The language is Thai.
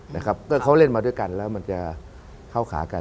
นะครับเมื่อเขาเล่นมาด้วยกันแล้วมันจะเข้าขากัน